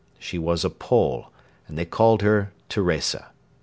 She was a Pole, and they called her Teresa.